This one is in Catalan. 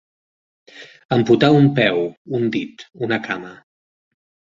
Amputar un peu, un dit, una cama.